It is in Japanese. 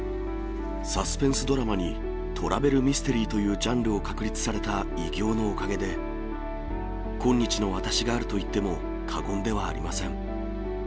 サスペンスドラマに、トラベルミステリーというジャンルを確立された偉業のおかげで、今日の私があるといっても過言ではありません。